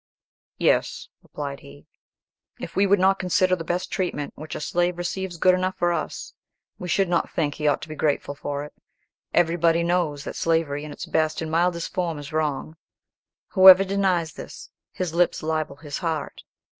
"Yes," replied he. "If we would not consider the best treatment which a slave receives good enough for us, we should not think he ought to be grateful for it. Everybody knows that slavery in its best and mildest form is wrong. Whoever denies this, his lips libel his heart.